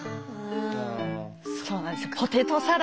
そうなんですよ。